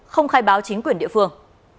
không khai báo chính quyền địa phương